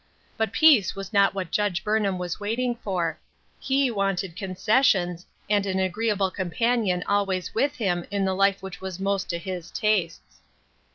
But peace was not what Judge Burnham was waiting for ; he wanted concessions, and an agreeable companion always with him in the life which was most to his tastes.